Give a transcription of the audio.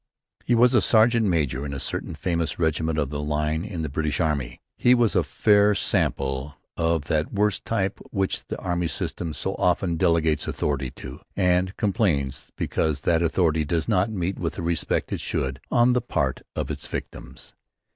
He was a sergeant major in a certain famous regiment of the line in the British Army. He was a fair sample of that worst type which the army system so often delegates authority to and complains because that authority does not meet with the respect it should on the part of its victims.